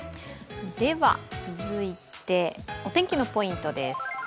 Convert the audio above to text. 続いてお天気のポイントです。